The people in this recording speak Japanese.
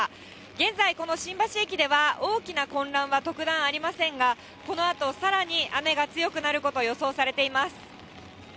現在、この新橋駅では、大きな混乱は特段ありませんが、このあとさらに雨が強くなること、予想されています。